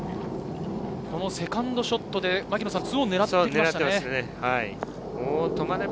このセカンドショットで２オンを狙ってきましたか。